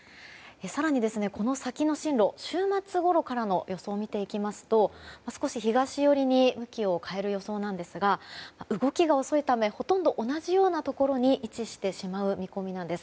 更にこの先の進路週末ごろからの予想を見ますと少し東寄りに向きを変える予想なんですが動きが遅いためほとんど同じようなところに位置してしまう見込みなんです。